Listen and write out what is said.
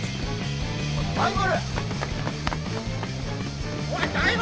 おい大丸！